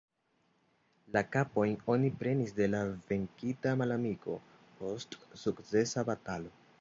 La kapojn oni prenis de la venkita malamiko, post sukcesa batalo.